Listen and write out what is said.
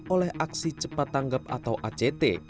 oleh aksi cepat tanggap atau act